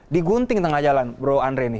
digunting tengah jalan bro andre ini